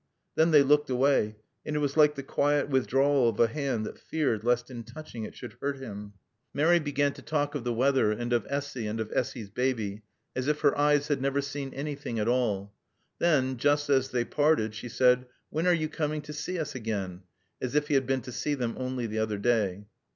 Then they looked away, and it was like the quiet withdrawal of a hand that feared lest in touching it should hurt him. Mary began to talk of the weather and of Essy and of Essy's baby, as if her eyes had never seen anything at all. Then, just as they parted, she said, "When are you coming to see us again?" as if he had been to see them only the other day.